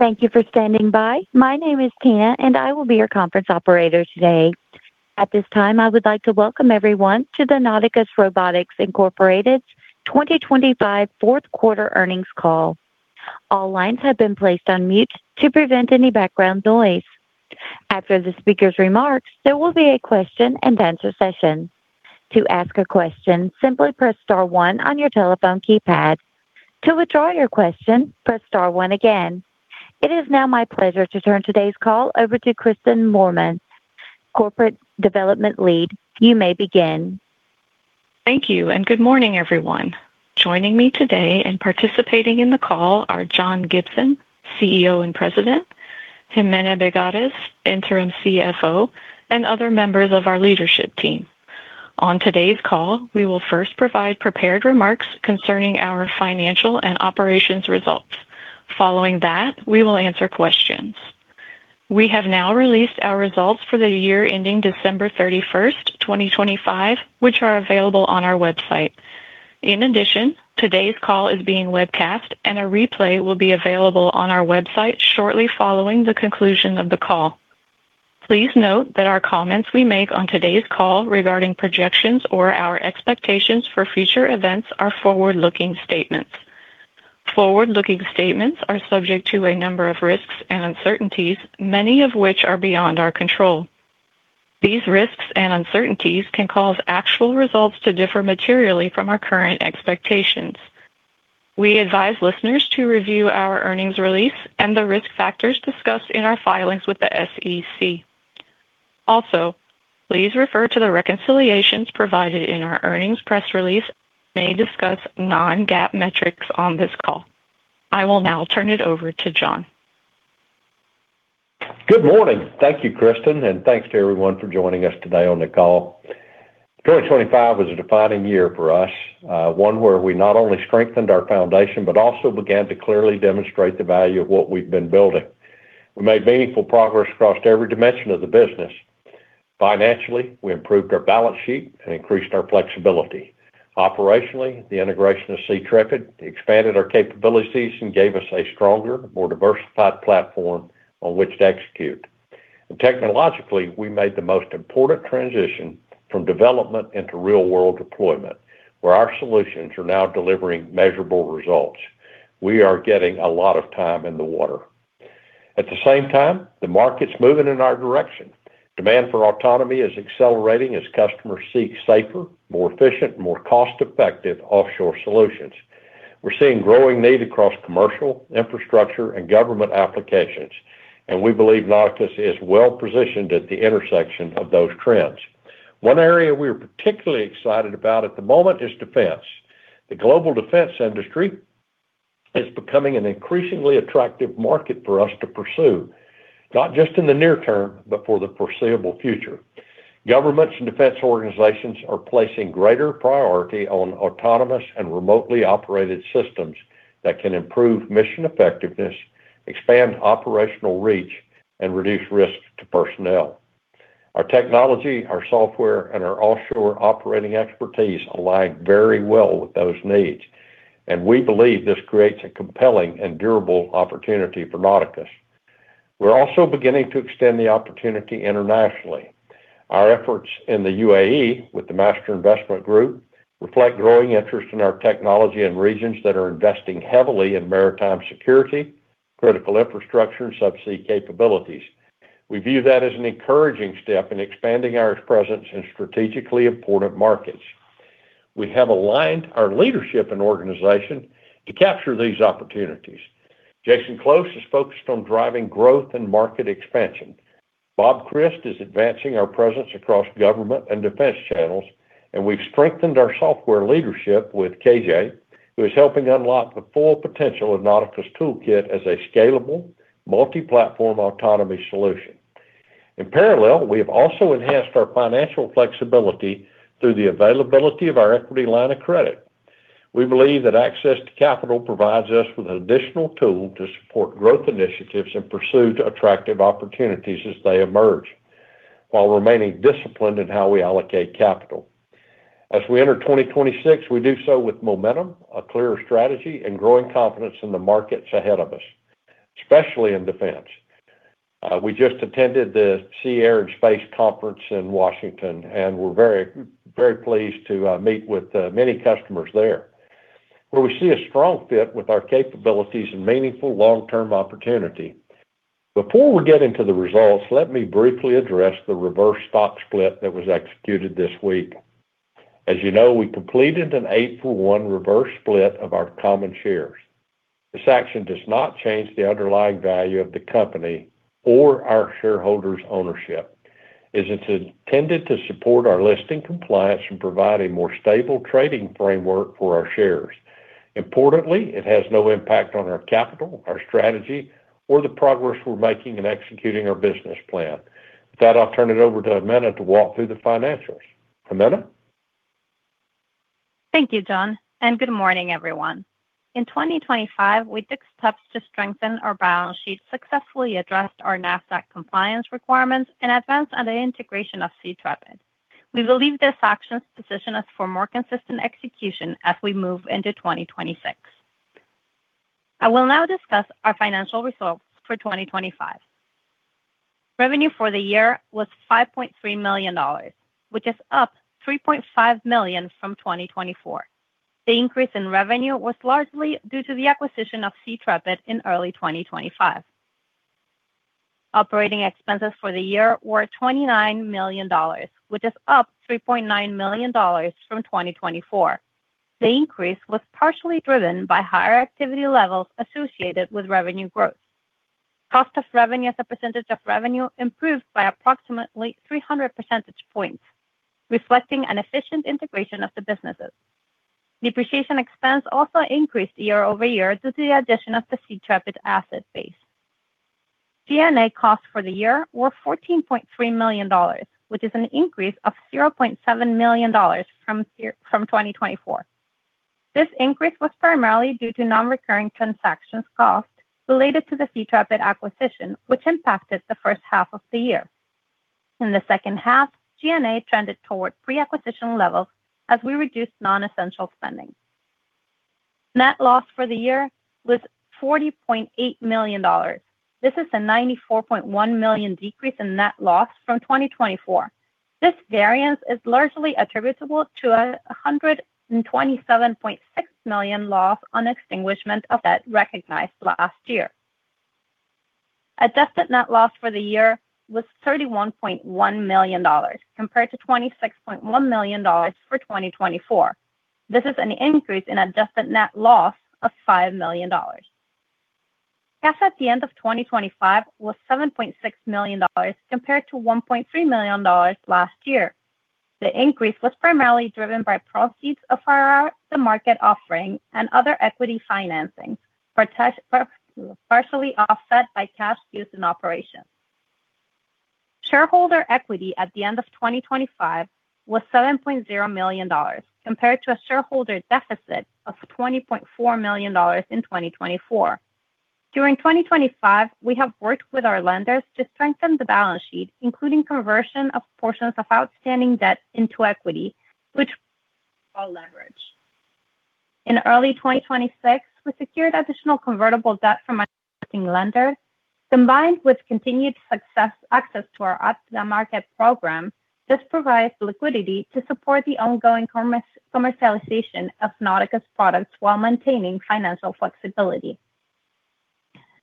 Thank you for standing by. My name is Tina, and I will be your conference operator today. At this time, I would like to welcome everyone to the Nauticus Robotics, Inc. 2025 fourth quarter earnings call. All lines have been placed on mute to prevent any background noise. After the speaker's remarks, there will be a question-and-answer session. To ask a question, simply press star one on your telephone keypad. To withdraw your question, press star one again. It is now my pleasure to turn today's call over to Kristin Moorman, Corporate Development Lead. You may begin. Thank you, and good morning, everyone. Joining me today and participating in the call are John Gibson, CEO and President, Jimena Begaries, Interim CFO, and other members of our leadership team. On today's call, we will first provide prepared remarks concerning our financial and operations results. Following that, we will answer questions. We have now released our results for the year ending December 31st, 2025, which are available on our website. In addition, today's call is being webcast, and a replay will be available on our website shortly following the conclusion of the call. Please note that our comments we make on today's call regarding projections or our expectations for future events are forward-looking statements. Forward-looking statements are subject to a number of risks and uncertainties, many of which are beyond our control. These risks and uncertainties can cause actual results to differ materially from our current expectations. We advise listeners to review our earnings release and the risk factors discussed in our filings with the SEC. Also, please refer to the reconciliations provided in our earnings press release. We may discuss non-GAAP metrics on this call. I will now turn it over to John. Good morning. Thank you, Kristin, and thanks to everyone for joining us today on the call. 2025 was a defining year for us, one where we not only strengthened our foundation but also began to clearly demonstrate the value of what we've been building. We made meaningful progress across every dimension of the business. Financially, we improved our balance sheet and increased our flexibility. Operationally, the integration of SeaTrepid expanded our capabilities and gave us a stronger, more diversified platform on which to execute. Technologically, we made the most important transition from development into real-world deployment, where our solutions are now delivering measurable results. We are getting a lot of time in the water. At the same time, the market's moving in our direction. Demand for autonomy is accelerating as customers seek safer, more efficient, more cost-effective offshore solutions. We're seeing growing need across commercial, infrastructure, and government applications, and we believe Nauticus is well-positioned at the intersection of those trends. One area we're particularly excited about at the moment is defense. The global defense industry is becoming an increasingly attractive market for us to pursue, not just in the near term but for the foreseeable future. Governments and defense organizations are placing greater priority on autonomous and remotely operated systems that can improve mission effectiveness, expand operational reach, and reduce risk to personnel. Our technology, our software, and our offshore operating expertise align very well with those needs, and we believe this creates a compelling and durable opportunity for Nauticus. We're also beginning to extend the opportunity internationally. Our efforts in the UAE with the Master Investment Group reflect growing interest in our technology in regions that are investing heavily in maritime security, critical infrastructure, and subsea capabilities. We view that as an encouraging step in expanding our presence in strategically important markets. We have aligned our leadership and organization to capture these opportunities. Jason Close is focused on driving growth and market expansion. Bob Christ is advancing our presence across government and defense channels, and we've strengthened our software leadership with KJ, who is helping unlock the full potential of Nauticus ToolKITT as a scalable, multi-platform autonomy solution. In parallel, we have also enhanced our financial flexibility through the availability of our equity line of credit. We believe that access to capital provides us with an additional tool to support growth initiatives and pursue attractive opportunities as they emerge while remaining disciplined in how we allocate capital. As we enter 2026, we do so with momentum, a clearer strategy, and growing confidence in the markets ahead of us, especially in defense. We just attended the Sea-Air-Space conference in Washington, and we're very pleased to meet with many customers there, where we see a strong fit with our capabilities and meaningful long-term opportunity. Before we get into the results, let me briefly address the reverse stock split that was executed this week. As you know, we completed an 8-for-1 reverse split of our common shares. This action does not change the underlying value of the company or our shareholders' ownership, as it's intended to support our listing compliance and provide a more stable trading framework for our shares. Importantly, it has no impact on our capital, our strategy, or the progress we're making in executing our business plan. With that, I'll turn it over to Jimena to walk through the financials. Jimena. Thank you, John, and good morning, everyone. In 2025, we took steps to strengthen our balance sheet, successfully addressed our NASDAQ compliance requirements, and advanced on the integration of SeaTrepid. We believe these actions position us for more consistent execution as we move into 2026. I will now discuss our financial results for 2025. Revenue for the year was $5.3 million, which is up $3.5 million from 2024. The increase in revenue was largely due to the acquisition of SeaTrepid in early 2025. Operating expenses for the year were $29 million, which is up $3.9 million from 2024. The increase was partially driven by higher activity levels associated with revenue growth. Cost of revenue as a percentage of revenue improved by approximately 300 percentage points, reflecting an efficient integration of the businesses. Depreciation expense also increased year-over-year due to the addition of the SeaTrepid asset base. G&A costs for the year were $14.3 million, which is an increase of $0.7 million from 2024. This increase was primarily due to non-recurring transaction costs related to the SeaTrepid acquisition, which impacted the first half of the year. In the second half, G&A trended toward pre-acquisition levels as we reduced non-essential spending. Net loss for the year was $40.8 million. This is a $94.1 million decrease in net loss from 2024. This variance is largely attributable to a $127.6 million loss on extinguishment of debt recognized last year. Adjusted net loss for the year was $31.1 million, compared to $26.1 million for 2024. This is an increase in adjusted net loss of $5 million. Cash at the end of 2025 was $7.6 million, compared to $1.3 million last year. The increase was primarily driven by proceeds of our at-the-market offering and other equity financing, partially offset by cash used in operations. Shareholder equity at the end of 2025 was $7.7 million, compared to a shareholder deficit of $20.4 million in 2024. During 2025, we have worked with our lenders to strengthen the balance sheet, including conversion of portions of outstanding debt into equity, which reduces leverage. In early 2026, we secured additional convertible debt from an existing lender. Combined with continued access to our at-the-market program, this provides liquidity to support the ongoing commercialization of Nauticus products while maintaining financial flexibility.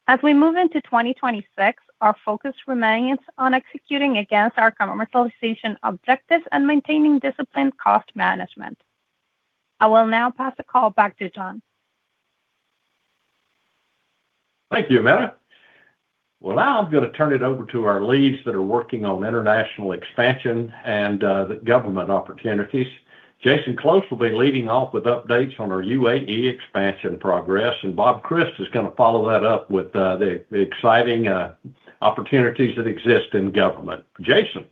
As we move into 2026, our focus remains on executing against our commercialization objectives and maintaining disciplined cost management. I will now pass the call back to John. Thank you, Jimena. Well, now I'm going to turn it over to our leads that are working on international expansion and the government opportunities. Jason Close will be leading off with updates on our UAE expansion progress, and Bob Christ is going to follow that up with the exciting opportunities that exist in government. Jason?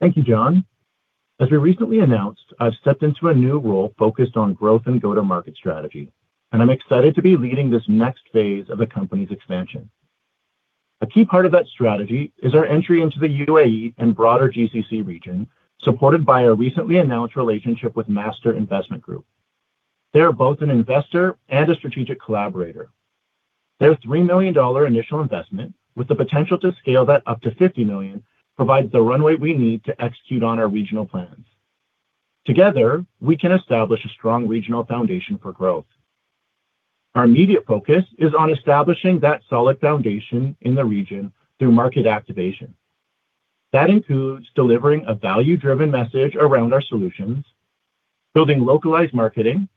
Thank you, John. As we recently announced, I've stepped into a new role focused on growth and go-to-market strategy, and I'm excited to be leading this next phase of the company's expansion. A key part of that strategy is our entry into the UAE and broader GCC region, supported by our recently announced relationship with Master Investment Group. They are both an investor and a strategic collaborator. Their $3 million initial investment, with the potential to scale that up to $50 million, provides the runway we need to execute on our regional plans. Together, we can establish a strong regional foundation for growth. Our immediate focus is on establishing that solid foundation in the region through market activation. That includes delivering a value-driven message around our solutions, building localized marketing,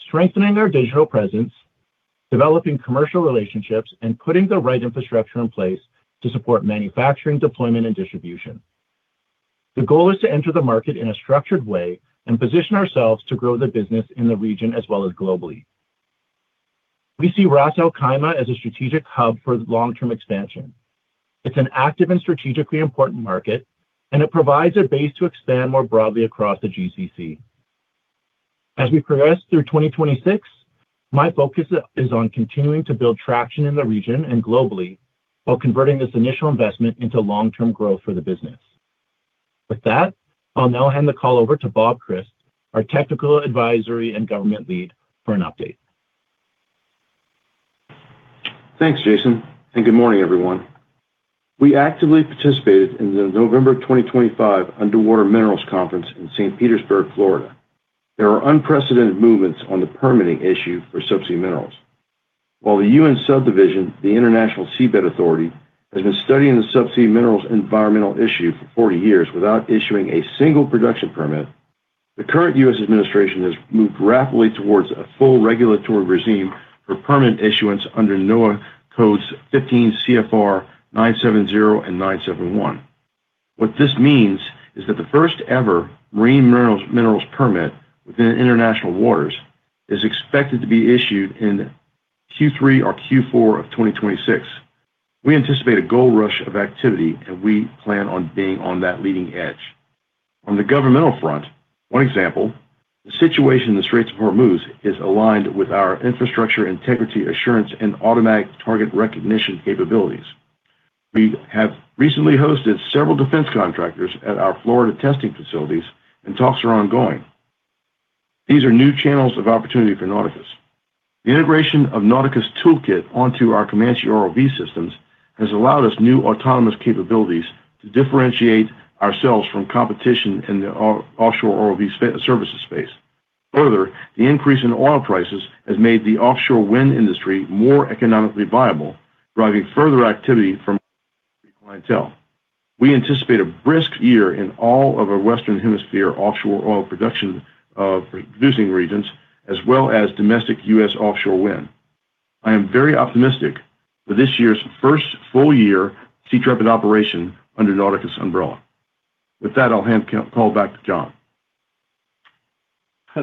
strengthening our digital presence, developing commercial relationships, and putting the right infrastructure in place to support manufacturing, deployment, and distribution. The goal is to enter the market in a structured way and position ourselves to grow the business in the region as well as globally. We see Ras al-Khaimah as a strategic hub for long-term expansion. It's an active and strategically important market, and it provides a base to expand more broadly across the GCC. As we progress through 2026, my focus is on continuing to build traction in the region and globally while converting this initial investment into long-term growth for the business. With that, I'll now hand the call over to Bob Christ, our Technical Advisory and Government lead, for an update. Thanks, Jason, and good morning, everyone. We actively participated in the November 2025 Underwater Minerals Conference in St. Petersburg, Florida. There are unprecedented movements on the permitting issue for subsea minerals. While the UN subdivision, the International Seabed Authority, has been studying the subsea minerals environmental issue for 40 years without issuing a single production permit, the current U.S. administration has moved rapidly towards a full regulatory regime for permit issuance under NOAA Codes 15 CFR Part 970 and 971. What this means is that the first ever marine minerals permit within international waters is expected to be issued in Q3 or Q4 of 2026. We anticipate a gold rush of activity, and we plan on being on that leading edge. On the governmental front, one example. The situation in the Straits of Hormuz is aligned with our infrastructure integrity assurance and automatic target recognition capabilities. We have recently hosted several defense contractors at our Florida testing facilities, and talks are ongoing. These are new channels of opportunity for Nauticus. The integration of Nauticus ToolKITT onto our Comanche ROV systems has allowed us new autonomous capabilities to differentiate ourselves from competition in the offshore ROV services space. The increase in oil prices has made the offshore wind industry more economically viable, driving further activity from clientele. We anticipate a brisk year in all of our Western Hemisphere offshore oil and gas producing regions, as well as domestic U.S. offshore wind. I am very optimistic for this year's first full year SeaTrepid operation under Nauticus umbrella. With that, I'll hand the call back to John.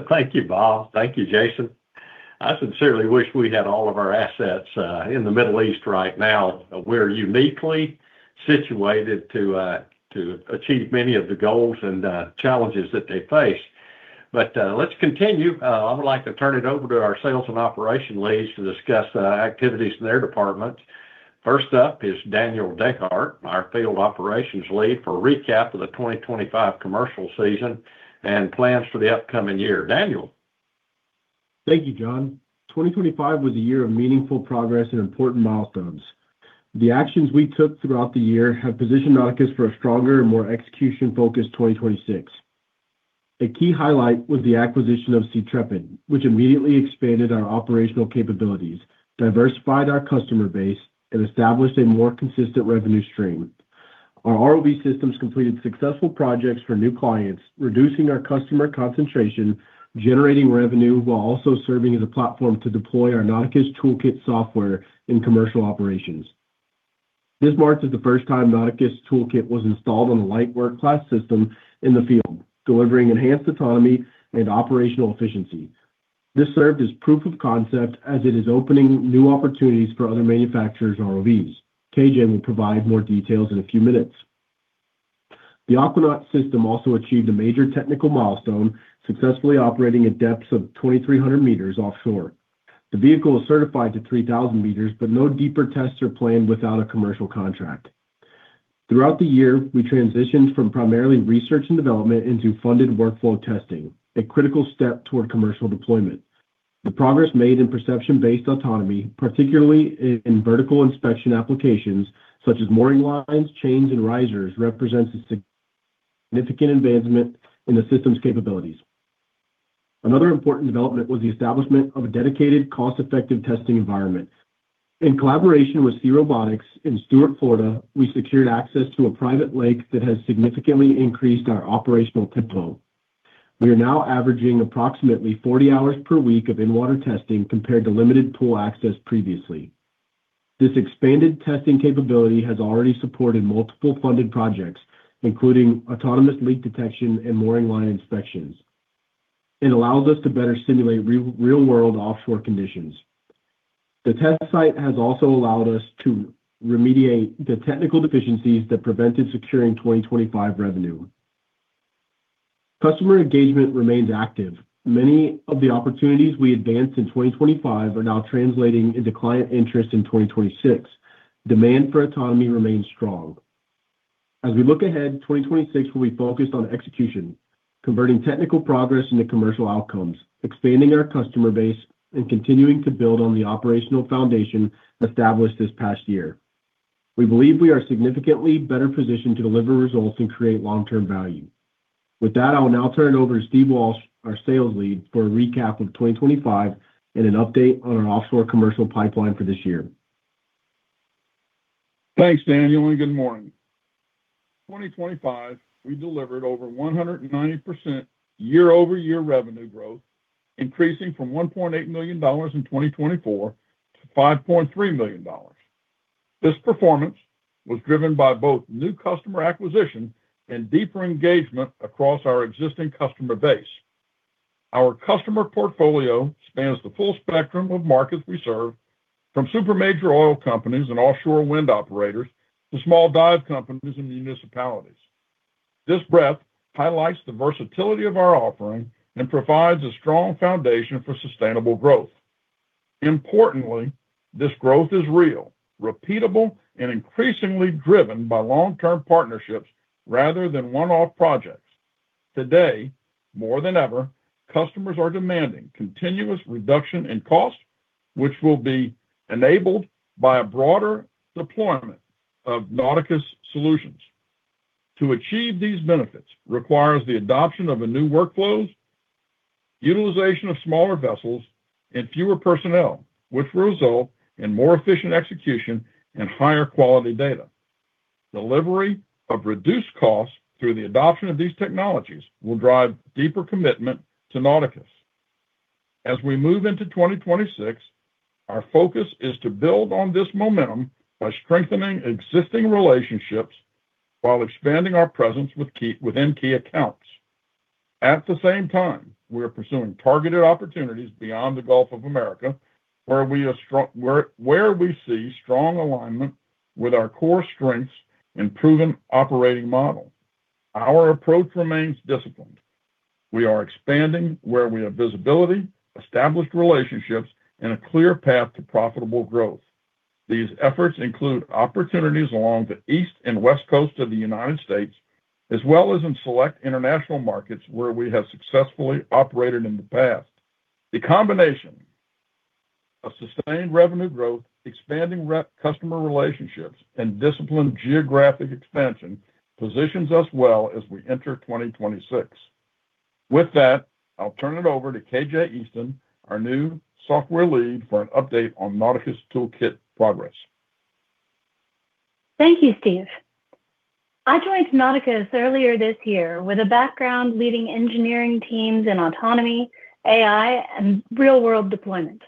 Thank you, Bob. Thank you, Jason. I sincerely wish we had all of our assets in the Middle East right now. We're uniquely situated to achieve many of the goals and challenges that they face. Let's continue. I would like to turn it over to our sales and operations leads to discuss activities in their department. First up is Daniel Dehart, our field operations lead for recap of the 2025 commercial season and plans for the upcoming year. Daniel? Thank you, John. 2025 was a year of meaningful progress and important milestones. The actions we took throughout the year have positioned Nauticus for a stronger and more execution-focused 2026. A key highlight was the acquisition of SeaTrepid, which immediately expanded our operational capabilities, diversified our customer base, and established a more consistent revenue stream. Our ROV systems completed successful projects for new clients, reducing our customer concentration, generating revenue while also serving as a platform to deploy our Nauticus ToolKITT software in commercial operations. This marks the first time Nauticus ToolKITT was installed on a light work class system in the field, delivering enhanced autonomy and operational efficiency. This served as proof of concept as it is opening new opportunities for other manufacturers' ROVs. KJ will provide more details in a few minutes. The Aquanaut system also achieved a major technical milestone, successfully operating at depths of 2,300 meters offshore. The vehicle is certified to 3,000 meters, but no deeper tests are planned without a commercial contract. Throughout the year, we transitioned from primarily research and development into funded workflow testing, a critical step toward commercial deployment. The progress made in perception-based autonomy, particularly in vertical inspection applications such as mooring lines, chains, and risers, represents a significant advancement in the system's capabilities. Another important development was the establishment of a dedicated, cost-effective testing environment. In collaboration with Advanced Ocean Systems in Stuart, Florida, we secured access to a private lake that has significantly increased our operational tempo. We are now averaging approximately 40 hours per week of in-water testing, compared to limited pool access previously. This expanded testing capability has already supported multiple funded projects, including autonomous leak detection and mooring line inspections. It allows us to better simulate real-world offshore conditions. The test site has also allowed us to remediate the technical deficiencies that prevented securing 2025 revenue. Customer engagement remains active. Many of the opportunities we advanced in 2025 are now translating into client interest in 2026. Demand for autonomy remains strong. As we look ahead, 2026 will be focused on execution, converting technical progress into commercial outcomes, expanding our customer base, and continuing to build on the operational foundation established this past year. We believe we are significantly better positioned to deliver results and create long-term value. With that, I will now turn it over to Steve Walsh, our sales lead, for a recap of 2025 and an update on our offshore commercial pipeline for this year. Thanks, Daniel, and good morning. In 2025, we delivered over 190% year-over-year revenue growth, increasing from $1.8 million in 2024 to $5.3 million. This performance was driven by both new customer acquisition and deeper engagement across our existing customer base. Our customer portfolio spans the full spectrum of markets we serve, from super major oil companies and offshore wind operators to small dive companies and municipalities. This breadth highlights the versatility of our offering and provides a strong foundation for sustainable growth. Importantly, this growth is real, repeatable, and increasingly driven by long-term partnerships rather than one-off projects. Today, more than ever, customers are demanding continuous reduction in cost, which will be enabled by a broader deployment of Nauticus solutions. To achieve these benefits requires the adoption of new workflows, utilization of smaller vessels, and fewer personnel, which will result in more efficient execution and higher quality data. Delivery of reduced costs through the adoption of these technologies will drive deeper commitment to Nauticus. As we move into 2026, our focus is to build on this momentum by strengthening existing relationships while expanding our presence within key accounts. At the same time, we are pursuing targeted opportunities beyond the Gulf of Mexico, where we see strong alignment with our core strengths and proven operating model, our approach remains disciplined. We are expanding where we have visibility, established relationships, and a clear path to profitable growth. These efforts include opportunities along the East and West Coasts of the United States, as well as in select international markets where we have successfully operated in the past. The combination of sustained revenue growth, expanding customer relationships, and disciplined geographic expansion positions us well as we enter 2026. With that, I'll turn it over to KJ Easton, our new software lead, for an update on Nauticus ToolKITT progress. Thank you, Steve. I joined Nauticus earlier this year with a background leading engineering teams in autonomy, AI, and real-world deployment.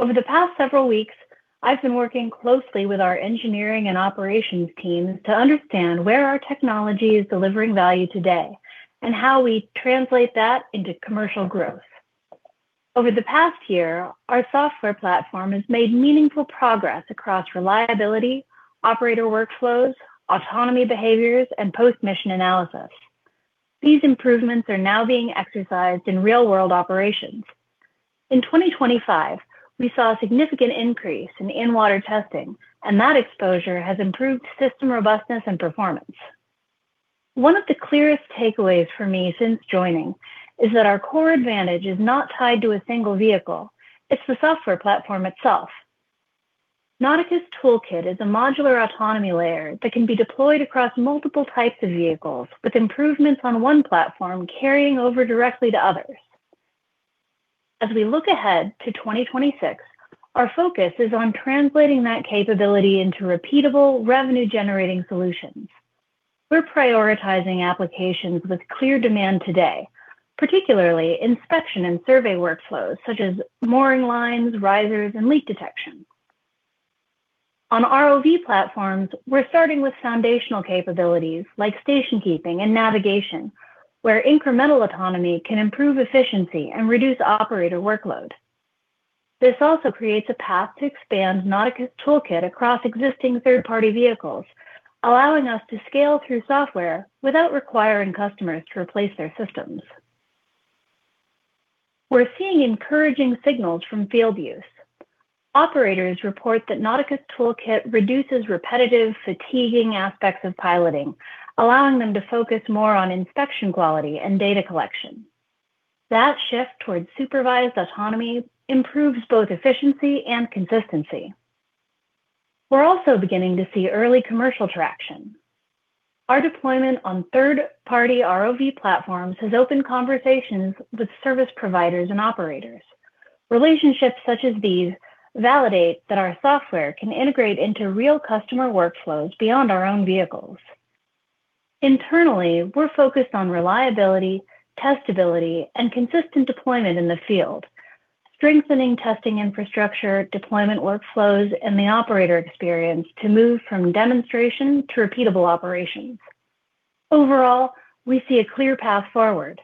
Over the past several weeks, I've been working closely with our engineering and operations teams to understand where our technology is delivering value today and how we translate that into commercial growth. Over the past year, our software platform has made meaningful progress across reliability, operator workflows, autonomy behaviors, and post-mission analysis. These improvements are now being exercised in real-world operations. In 2025, we saw a significant increase in in-water testing, and that exposure has improved system robustness and performance. One of the clearest takeaways for me since joining is that our core advantage is not tied to a single vehicle, it's the software platform itself. Nauticus ToolKITT is a modular autonomy layer that can be deployed across multiple types of vehicles, with improvements on one platform carrying over directly to others. As we look ahead to 2026, our focus is on translating that capability into repeatable, revenue-generating solutions. We're prioritizing applications with clear demand today, particularly inspection and survey workflows such as mooring lines, risers, and leak detection. On ROV platforms, we're starting with foundational capabilities like station keeping and navigation, where incremental autonomy can improve efficiency and reduce operator workload. This also creates a path to expand Nauticus ToolKITT across existing third-party vehicles, allowing us to scale through software without requiring customers to replace their systems. We're seeing encouraging signals from field use. Operators report that Nauticus ToolKITT reduces repetitive, fatiguing aspects of piloting, allowing them to focus more on inspection quality and data collection. That shift towards supervised autonomy improves both efficiency and consistency. We're also beginning to see early commercial traction. Our deployment on third-party ROV platforms has opened conversations with service providers and operators. Relationships such as these validate that our software can integrate into real customer workflows beyond our own vehicles. Internally, we're focused on reliability, testability, and consistent deployment in the field, strengthening testing infrastructure, deployment workflows, and the operator experience to move from demonstration to repeatable operations. Overall, we see a clear path forward.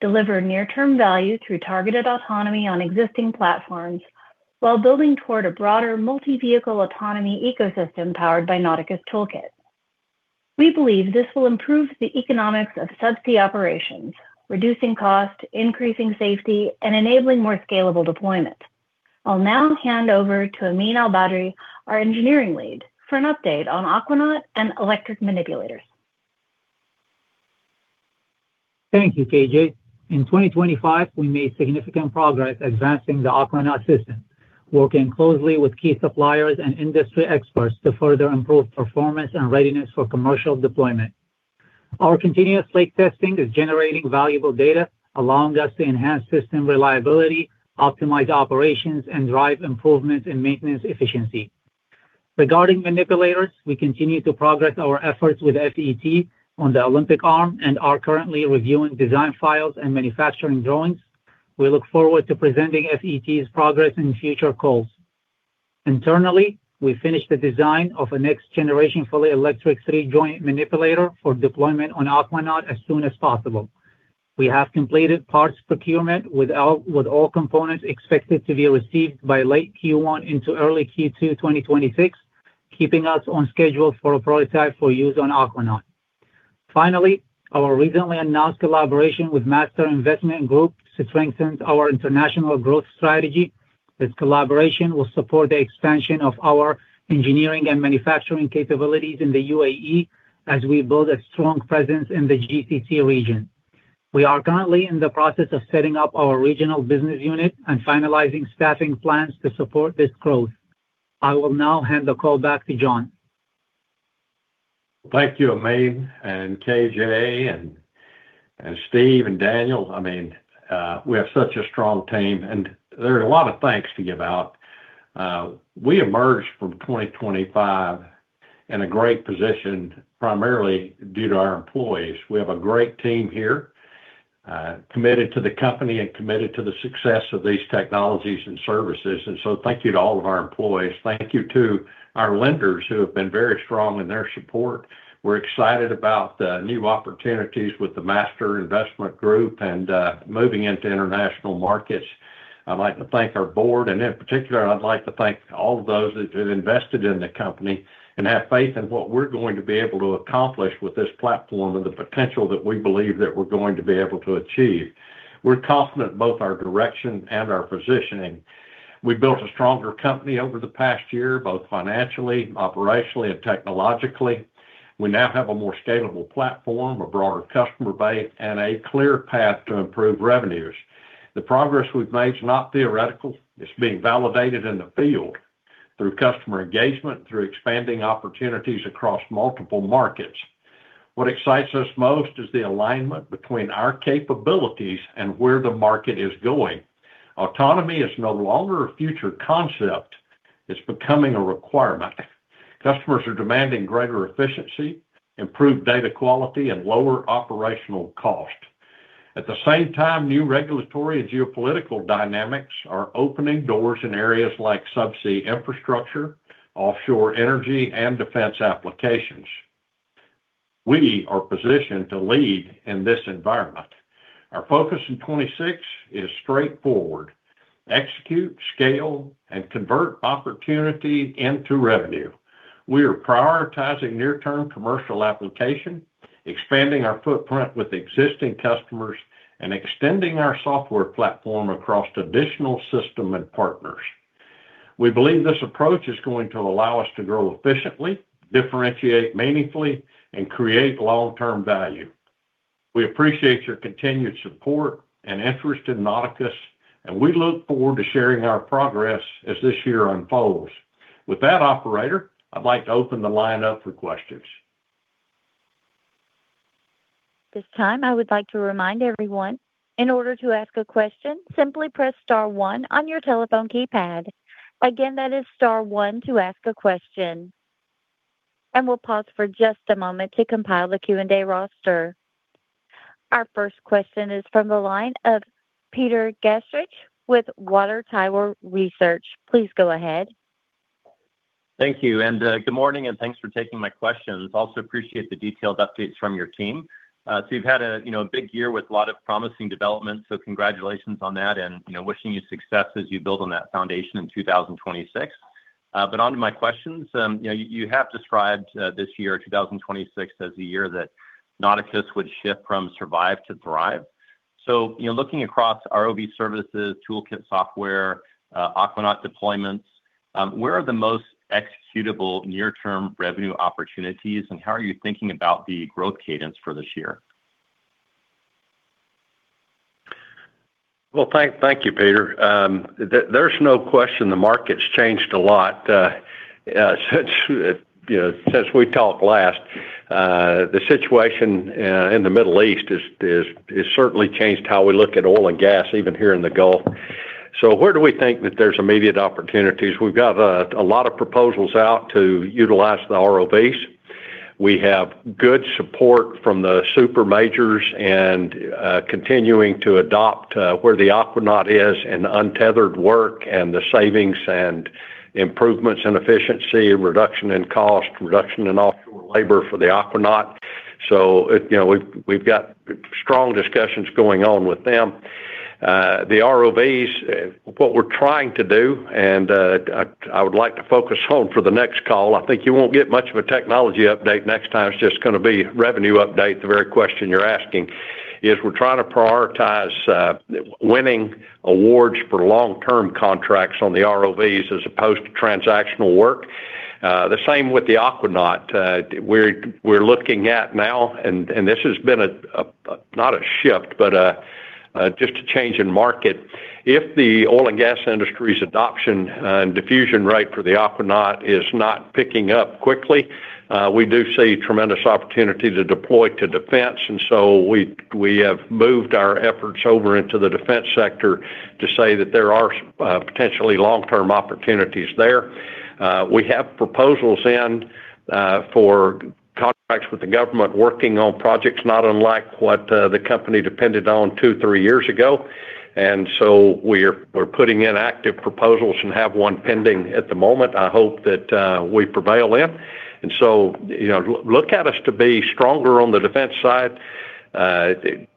Deliver near-term value through targeted autonomy on existing platforms while building toward a broader multi-vehicle autonomy ecosystem powered by Nauticus ToolKITT. We believe this will improve the economics of subsea operations, reducing cost, increasing safety, and enabling more scalable deployment. I'll now hand over to Ameen Albadri, our engineering lead, for an update on Aquanaut and electric manipulators. Thank you, KJ. In 2025, we made significant progress advancing the Aquanaut system, working closely with key suppliers and industry experts to further improve performance and readiness for commercial deployment. Our continuous lake testing is generating valuable data, allowing us to enhance system reliability, optimize operations, and drive improvements in maintenance efficiency. Regarding manipulators, we continue to progress our efforts with FET on the Olympic Arm and are currently reviewing design files and manufacturing drawings. We look forward to presenting FET's progress in future calls. Internally, we finished the design of a next-generation fully electric three-joint manipulator for deployment on Aquanaut as soon as possible. We have completed parts procurement with all components expected to be received by late Q1 into early Q2 2026, keeping us on schedule for a prototype for use on Aquanaut. Finally, our recently announced collaboration with Master Investment Group strengthens our international growth strategy. This collaboration will support the expansion of our engineering and manufacturing capabilities in the UAE as we build a strong presence in the GCC region. We are currently in the process of setting up our regional business unit and finalizing staffing plans to support this growth. I will now hand the call back to John. Thank you, Ameen and KJ and Steve and Daniel. We have such a strong team, and there are a lot of thanks to give out. We emerged from 2025 in a great position, primarily due to our employees. We have a great team here, committed to the company and committed to the success of these technologies and services, and so thank you to all of our employees. Thank you to our lenders who have been very strong in their support. We're excited about the new opportunities with the Master Investment Group and moving into international markets. I'd like to thank our board, and in particular, I'd like to thank all of those that have invested in the company and have faith in what we're going to be able to accomplish with this platform and the potential that we believe that we're going to be able to achieve. We're confident in both our direction and our positioning. We built a stronger company over the past year, both financially, operationally, and technologically. We now have a more scalable platform, a broader customer base, and a clear path to improve revenues. The progress we've made is not theoretical. It's being validated in the field through customer engagement, through expanding opportunities across multiple markets. What excites us most is the alignment between our capabilities and where the market is going. Autonomy is no longer a future concept. It's becoming a requirement. Customers are demanding greater efficiency, improved data quality, and lower operational cost. At the same time, new regulatory and geopolitical dynamics are opening doors in areas like subsea infrastructure, offshore energy, and defense applications. We are positioned to lead in this environment. Our focus in 2026 is straightforward. Execute, scale, and convert opportunity into revenue. We are prioritizing near-term commercial application, expanding our footprint with existing customers, and extending our software platform across additional systems and partners. We believe this approach is going to allow us to grow efficiently, differentiate meaningfully, and create long-term value. We appreciate your continued support and interest in Nauticus, and we look forward to sharing our progress as this year unfolds. With that, operator, I'd like to open the line up for questions. At this time, I would like to remind everyone, in order to ask a question, simply press star one on your telephone keypad. Again, that is star one to ask a question. We'll pause for just a moment to compile the Q&A roster. Our first question is from the line of Peter Gastreich with Water Tower Research. Please go ahead. Thank you. Good morning, and thanks for taking my questions. I also appreciate the detailed updates from your team. You've had a big year with a lot of promising developments, so congratulations on that and wishing you success as you build on that foundation in 2026. Onto my questions. You have described this year, 2026, as the year that Nauticus would shift from survive to thrive. Looking across ROV services, ToolKITT software, Aquanaut deployments, where are the most executable near-term revenue opportunities, and how are you thinking about the growth cadence for this year? Well, thank you, Peter. There's no question the market's changed a lot since we talked last. The situation in the Middle East has certainly changed how we look at oil and gas, even here in the Gulf. Where do we think that there's immediate opportunities? We've got a lot of proposals out to utilize the ROVs. We have good support from the super majors and continuing to adopt where the Aquanaut is in untethered work and the savings and improvements in efficiency, reduction in cost, reduction in offshore labor for the Aquanaut. We've got strong discussions going on with them. The ROVs, what we're trying to do, and I would like to focus on for the next call, I think you won't get much of a technology update next time. It's just going to be revenue update. The very question you're asking is we're trying to prioritize winning awards for long-term contracts on the ROVs as opposed to transactional work. The same with the Aquanaut. We're looking at now, and this has been, not a shift, but just a change in market. If the oil and gas industry's adoption and diffusion rate for the Aquanaut is not picking up quickly, we do see tremendous opportunity to deploy to defense. We have moved our efforts over into the defense sector to say that there are potentially long-term opportunities there. We have proposals in for contracts with the government working on projects not unlike what the company depended on 2, 3 years ago. We're putting in active proposals and have one pending at the moment. I hope that we prevail in. Look at us to be stronger on the defense side. Hopefully,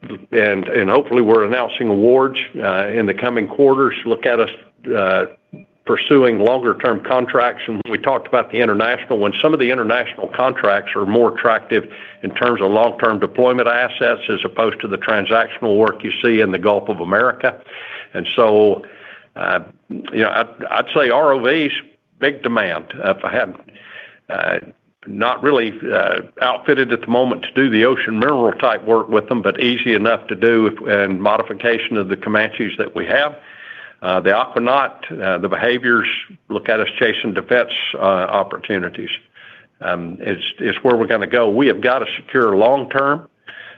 we're announcing awards in the coming quarters. Look at us pursuing longer-term contracts. We talked about the international ones. Some of the international contracts are more attractive in terms of long-term deployment assets as opposed to the transactional work you see in the Gulf of Mexico. I'd say ROVs, big demand. Not really outfitted at the moment to do the ocean mineral-type work with them, but easy enough to do and modification of the Comanches that we have. The Aquanaut, the behaviors, look at us chasing defense opportunities. It's where we're going to go. We have got to secure long-term,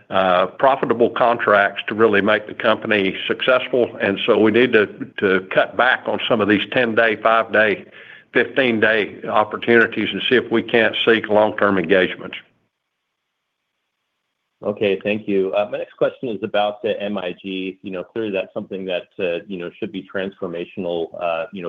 profitable contracts to really make the company successful. We need to cut back on some of these 10-day, 5-day, 15-day opportunities and see if we can't seek long-term engagements. Okay, thank you. My next question is about the MIG. Clearly, that's something that should be transformational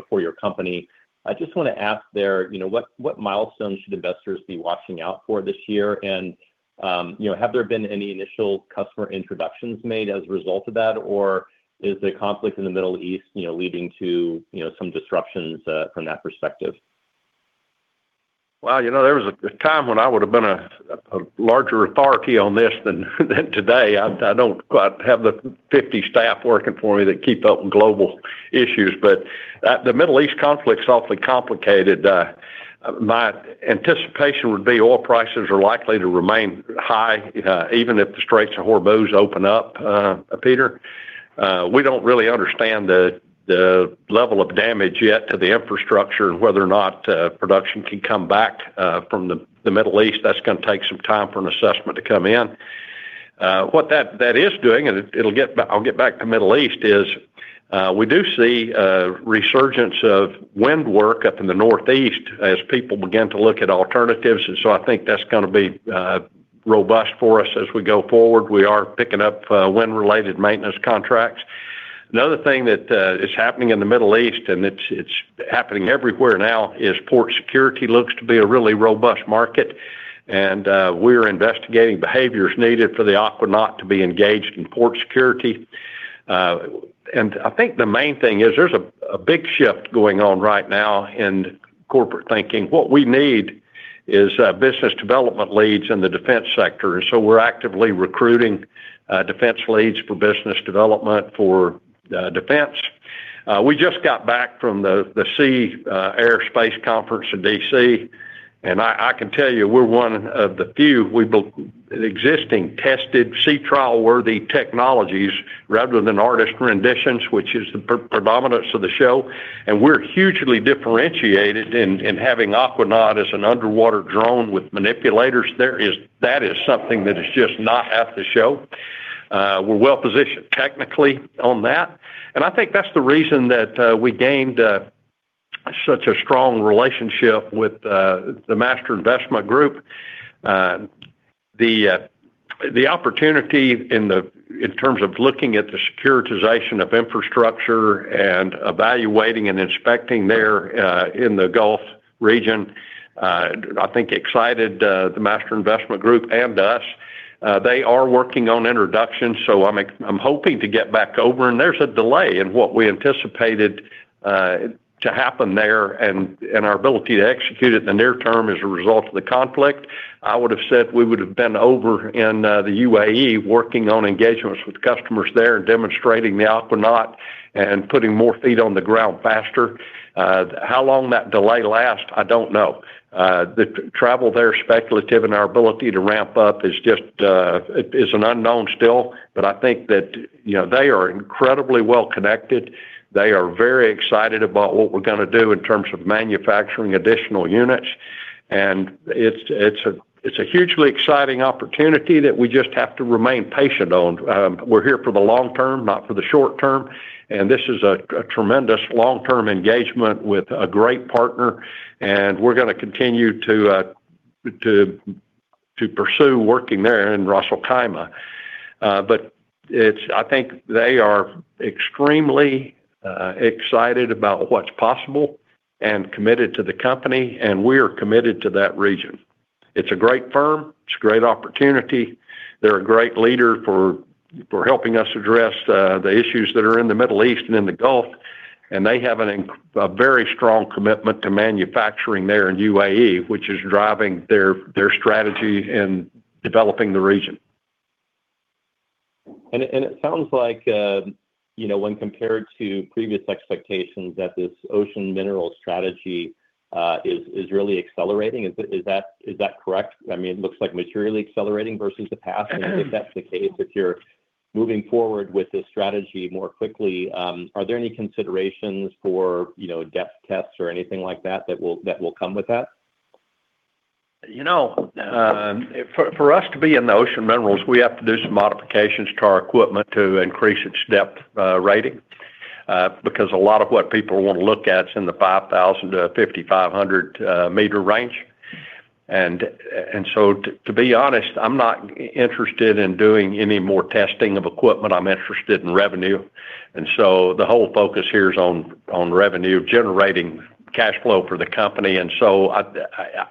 for your company. I just want to ask there, what milestones should investors be watching out for this year? Have there been any initial customer introductions made as a result of that, or is the conflict in the Middle East leading to some disruptions from that perspective? Well, there was a time when I would have been a larger authority on this than today. I don't quite have the 50 staff working for me that keep up on global issues. The Middle East conflict's awfully complicated. My anticipation would be oil prices are likely to remain high even if the Straits of Hormuz open up, Peter. We don't really understand the level of damage yet to the infrastructure and whether or not production can come back from the Middle East. That's going to take some time for an assessment to come in. What that is doing, and I'll get back to Middle East, is we do see a resurgence of wind work up in the Northeast as people begin to look at alternatives. I think that's going to be robust for us as we go forward. We are picking up wind-related maintenance contracts. Another thing that is happening in the Middle East, and it's happening everywhere now, is port security looks to be a really robust market, and we're investigating behaviors needed for the Aquanaut to be engaged in port security. I think the main thing is there's a big shift going on right now in corporate thinking. What we need is business development leads in the defense sector. We're actively recruiting defense leads for business development for defense. We just got back from the Sea-Air-Space conference in D.C., and I can tell you, we're one of the few with existing, tested, sea trial-worthy technologies rather than artist renditions, which is the predominance of the show, and we're hugely differentiated in having Aquanaut as an underwater drone with manipulators. That is something that is just not at the show. We're well-positioned technically on that, and I think that's the reason that we gained such a strong relationship with the Master Investment Group. The opportunity in terms of looking at the securitization of infrastructure and evaluating and inspecting there in the Gulf region I think excited the Master Investment Group and us. They are working on introduction, so I'm hoping to get back over, and there's a delay in what we anticipated to happen there and our ability to execute it in the near term as a result of the conflict. I would have said we would have been over in the UAE working on engagements with customers there and demonstrating the Aquanaut and putting more feet on the ground faster. How long that delay lasts, I don't know. The travel there is speculative, and our ability to ramp up is an unknown still. I think that they are incredibly well-connected. They are very excited about what we're going to do in terms of manufacturing additional units, and it's a hugely exciting opportunity that we just have to remain patient on. We're here for the long term, not for the short term, and this is a tremendous long-term engagement with a great partner, and we're going to continue to pursue working there in Ras al-Khaimah. I think they are extremely excited about what's possible and committed to the company, and we are committed to that region. It's a great firm. It's a great opportunity. They're a great leader for helping us address the issues that are in the Middle East and in the Gulf, and they have a very strong commitment to manufacturing there in UAE, which is driving their strategy in developing the region. It sounds like when compared to previous expectations that this ocean mineral strategy is really accelerating. Is that correct? It looks materially accelerating versus the past. If that's the case, if you're moving forward with this strategy more quickly, are there any considerations for depth tests or anything like that that will come with that? For us to be in the ocean minerals, we have to do some modifications to our equipment to increase its depth rating, because a lot of what people want to look at is in the 5,000-5,500-meter range. To be honest, I'm not interested in doing any more testing of equipment. I'm interested in revenue. The whole focus here is on revenue, generating cash flow for the company.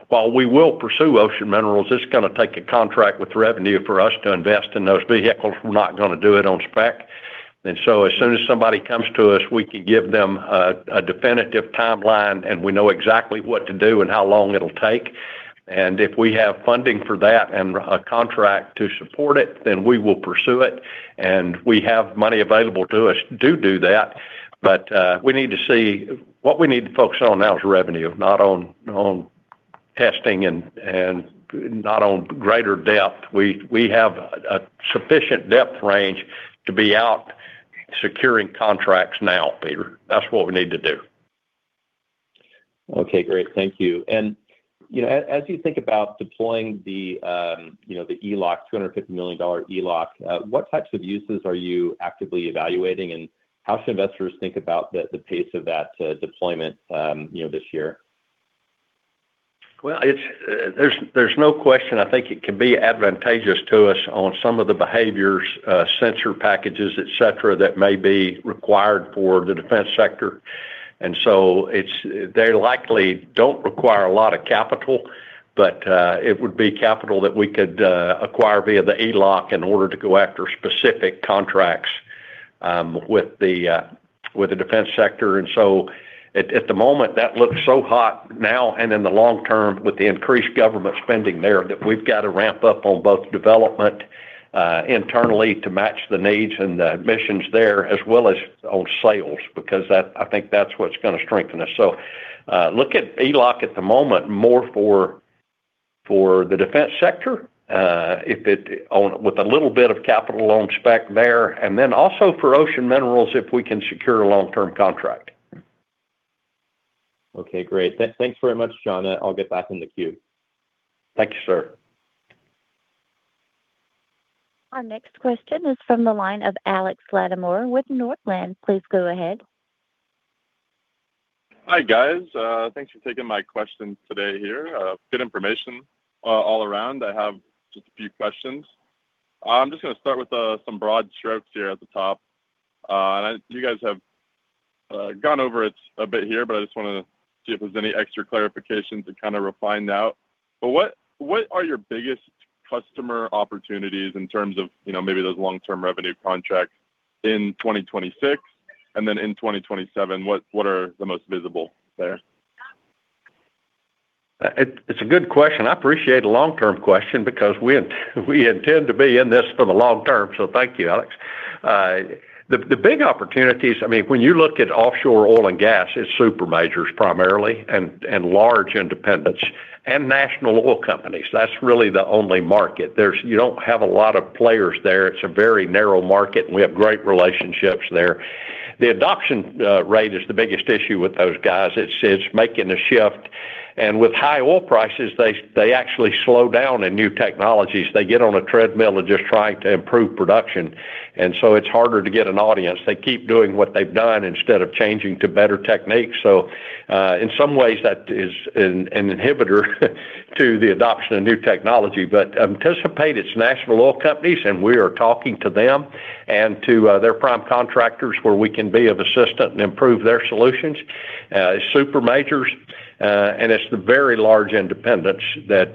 While we will pursue ocean minerals, it's going to take a contract with revenue for us to invest in those vehicles. We're not going to do it on spec. As soon as somebody comes to us, we can give them a definitive timeline, and we know exactly what to do and how long it'll take. If we have funding for that and a contract to support it, then we will pursue it, and we have money available to us to do that. What we need to focus on now is revenue, not on testing and not on greater depth. We have a sufficient depth range to be out securing contracts now, Peter. That's what we need to do. Okay, great. Thank you. As you think about deploying the $250 million ELOC, what types of uses are you actively evaluating? How should investors think about the pace of that deployment this year? Well, there's no question, I think it can be advantageous to us on some of the behaviors, sensor packages, et cetera, that may be required for the defense sector. They likely don't require a lot of capital, but it would be capital that we could acquire via the ELOC in order to go after specific contracts with the defense sector. At the moment, that looks so hot now and in the long term with the increased government spending there, that we've got to ramp up on both development internally to match the needs and the missions there, as well as on sales, because I think that's what's going to strengthen us. Look at ELOC at the moment more for the defense sector, with a little bit of capital loan SPAC there, and then also for ocean minerals, if we can secure a long-term contract. Okay, great. Thanks very much, John. I'll get back in the queue. Thank you, sir. Our next question is from the line of Alex Latimore with Northland. Please go ahead. Hi, guys. Thanks for taking my question today here. Good information all around. I have just a few questions. I'm just going to start with some broad strokes here at the top. You guys have gone over it a bit here, but I just want to see if there's any extra clarification to kind of refine that. What are your biggest customer opportunities in terms of maybe those long-term revenue contracts in 2026 and then in 2027? What are the most visible there? It's a good question. I appreciate a long-term question because we intend to be in this for the long term. Thank you, Alex. The big opportunities, when you look at offshore oil and gas, it's super majors primarily and large independents and national oil companies. That's really the only market. You don't have a lot of players there. It's a very narrow market, and we have great relationships there. The adoption rate is the biggest issue with those guys. It's making a shift. With high oil prices, they actually slow down in new technologies. They get on a treadmill of just trying to improve production, and so it's harder to get an audience. They keep doing what they've done instead of changing to better techniques. In some ways, that is an inhibitor to the adoption of new technology. We anticipate it's national oil companies, and we are talking to them and to their prime contractors where we can be of assistance and improve their solutions. Super majors, and it's the very large independents that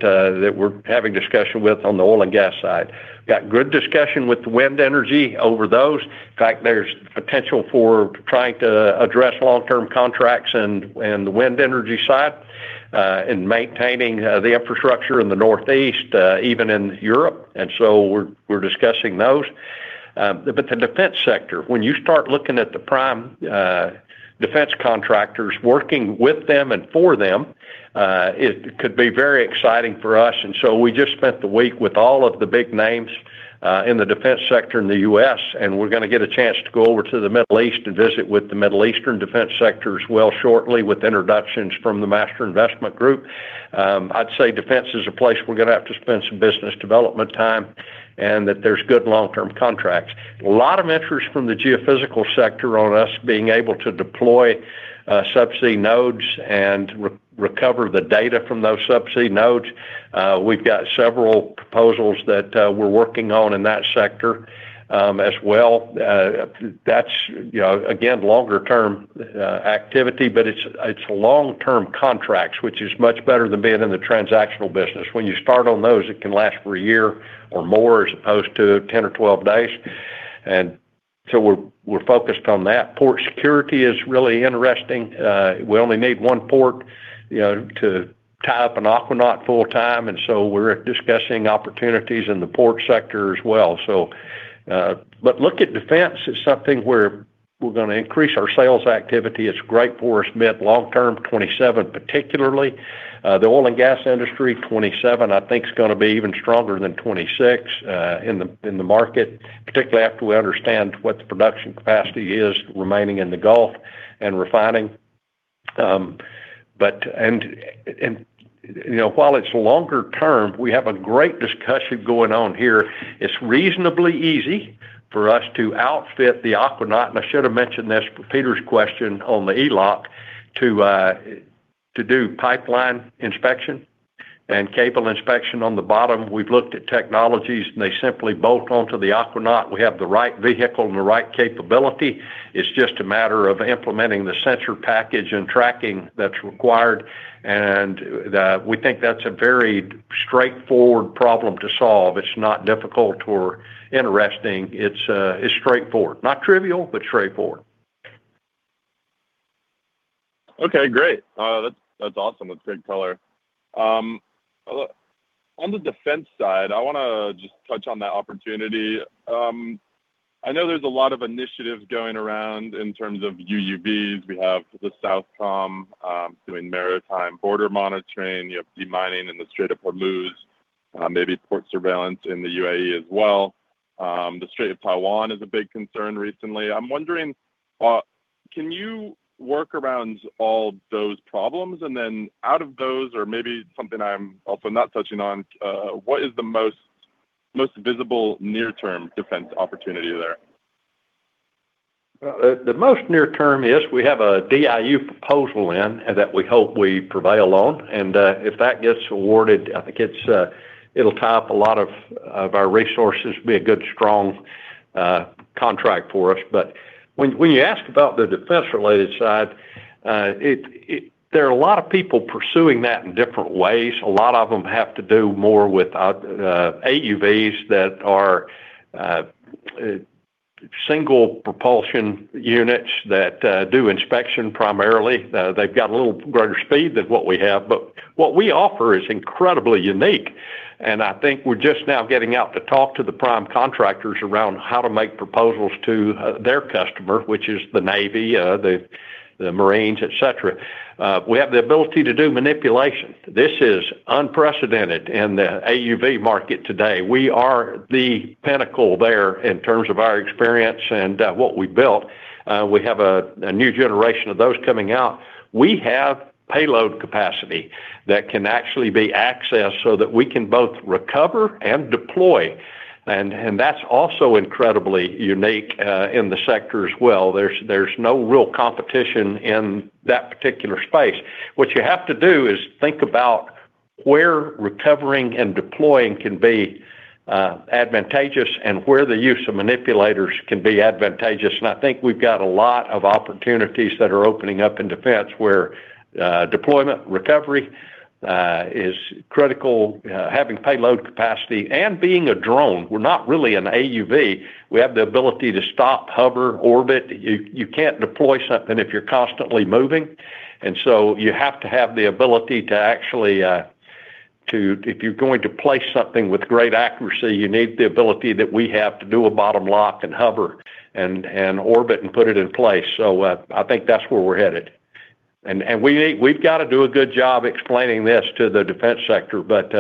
we're having discussion with on the oil and gas side. Got good discussion with wind energy over those. In fact, there's potential for trying to address long-term contracts in the wind energy side, in maintaining the infrastructure in the Northeast, even in Europe, and so we're discussing those. The defense sector, when you start looking at the prime defense contractors, working with them and for them, it could be very exciting for us. We just spent the week with all of the big names in the defense sector in the U.S., and we're going to get a chance to go over to the Middle East to visit with the Middle Eastern defense sector as well shortly with introductions from the Master Investment Group. I'd say defense is a place we're going to have to spend some business development time and that there's good long-term contracts. A lot of interest from the geophysical sector on us being able to deploy subsea nodes and recover the data from those subsea nodes. We've got several proposals that we're working on in that sector as well. That's again, longer term activity, but it's long-term contracts, which is much better than being in the transactional business. When you start on those, it can last for a year or more, as opposed to 10 or 12 days. We're focused on that. Port security is really interesting. We only need one port to tie up an Aquanaut full time, and so we're discussing opportunities in the port sector as well. Look at defense as something where we're going to increase our sales activity. It's great for us mid, long-term 2027, particularly. The oil and gas industry 2027, I think, is going to be even stronger than 2026 in the market, particularly after we understand what the production capacity is remaining in the Gulf and refining. While it's longer term, we have a great discussion going on here. It's reasonably easy for us to outfit the Aquanaut, and I should have mentioned this, Peter's question on the ELOC to do pipeline inspection and cable inspection on the bottom. We've looked at technologies, and they simply bolt onto the Aquanaut. We have the right vehicle and the right capability. It's just a matter of implementing the sensor package and tracking that's required. We think that's a very straightforward problem to solve. It's not difficult or interesting. It's straightforward. Not trivial, but straightforward. Okay, great. That's awesome. That's great color. On the defense side, I want to just touch on that opportunity. I know there's a lot of initiatives going around in terms of UUVs. We have the SOUTHCOM doing maritime border monitoring, you have de-mining in the Strait of Hormuz, maybe port surveillance in the UAE as well. The Strait of Taiwan is a big concern recently. I'm wondering, can you work around all those problems? Out of those, or maybe something I'm also not touching on, what is the most visible near-term defense opportunity there? The most near term is we have a DIU proposal in that we hope we prevail on. If that gets awarded, I think it'll tie up a lot of our resources, be a good, strong contract for us. When you ask about the defense-related side, there are a lot of people pursuing that in different ways. A lot of them have to do more with AUVs that are single propulsion units that do inspection primarily. They've got a little greater speed than what we have, but what we offer is incredibly unique, and I think we're just now getting out to talk to the prime contractors around how to make proposals to their customer, which is the Navy, the Marines, et cetera. We have the ability to do manipulation. This is unprecedented in the AUV market today. We are the pinnacle there in terms of our experience and what we built. We have a new generation of those coming out. We have payload capacity that can actually be accessed so that we can both recover and deploy. That's also incredibly unique in the sector as well. There's no real competition in that particular space. What you have to do is think about where recovering and deploying can be advantageous and where the use of manipulators can be advantageous. I think we've got a lot of opportunities that are opening up in defense where deployment recovery is critical. Having payload capacity and being a drone, we're not really an AUV. We have the ability to stop, hover, orbit. You can't deploy something if you're constantly moving, and so you have to have the ability. If you're going to place something with great accuracy, you need the ability that we have to do a bottom lock and hover and orbit and put it in place. I think that's where we're headed. We've got to do a good job explaining this to the defense sector, but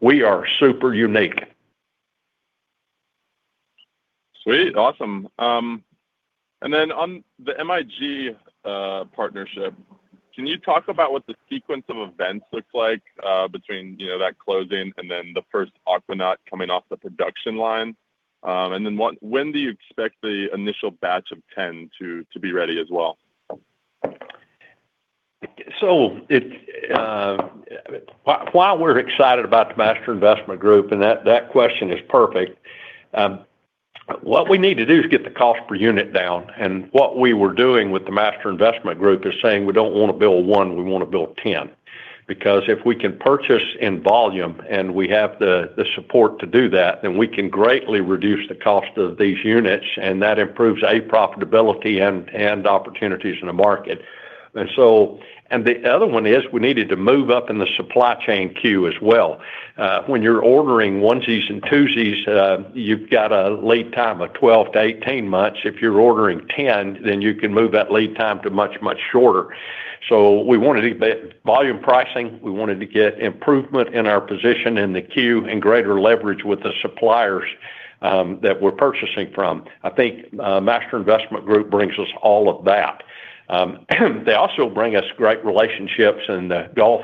we are super unique. Sweet. Awesome. On the MIG partnership, can you talk about what the sequence of events looks like between that closing and then the first Aquanaut coming off the production line? When do you expect the initial batch of 10 to be ready as well? Why we're excited about the Master Investment Group and that question is perfect. What we need to do is get the cost per unit down. What we were doing with the Master Investment Group is saying, we don't want to build one, we want to build 10. Because if we can purchase in volume and we have the support to do that, then we can greatly reduce the cost of these units and that improves, A, profitability and opportunities in the market. The other one is we needed to move up in the supply chain queue as well. When you're ordering onesies and twosies, you've got a lead time of 12-18 months. If you're ordering 10, then you can move that lead time to much, much shorter. We wanted volume pricing, we wanted to get improvement in our position in the queue and greater leverage with the suppliers that we're purchasing from. I think Master Investment Group brings us all of that. They also bring us great relationships in the Gulf.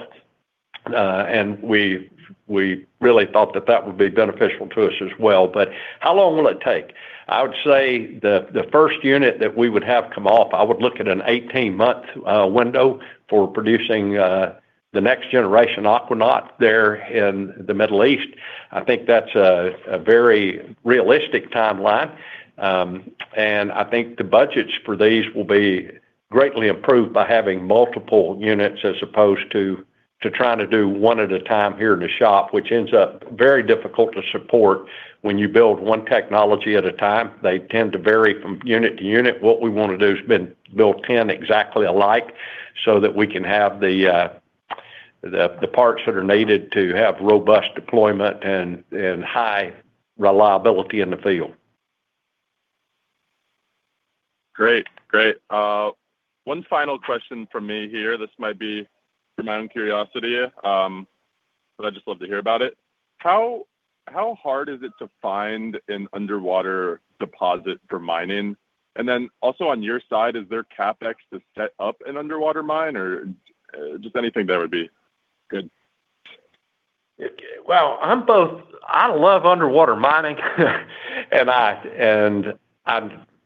We really thought that that would be beneficial to us as well. How long will it take? I would say the first unit that we would have come off, I would look at an 18-month window for producing the next generation Aquanaut there in the Middle East. I think that's a very realistic timeline. I think the budgets for these will be greatly improved by having multiple units as opposed to trying to do one at a time here in the shop, which ends up very difficult to support when you build one technology at a time. They tend to vary from unit to unit. What we want to do is build 10 exactly alike so that we can have the parts that are needed to have robust deployment and high reliability in the field. Great. One final question from me here. This might be for my own curiosity, but I'd just love to hear about it. How hard is it to find an underwater deposit for mining? And then also on your side, is there CapEx to set up an underwater mine or just anything there would be good? Well, I love underwater mining and I